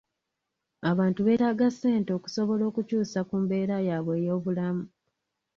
Abantu beetaaga ssente okusobola okukyuusa ku mbeera yaabwe ey'obulamu.